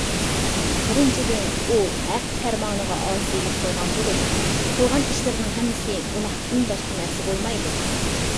بىرىنچىدىن، ئۇ ھەق پەرمانىغا ئاسىيلىق قىلغان بولىدۇ. قىلغان ئىشلىرىنىڭ ھەممىسى گۇناھتىن باشقا نەرسە بولمايدۇ.